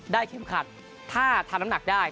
เข้มขัดถ้าทำน้ำหนักได้